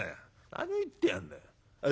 何を言ってやんだい。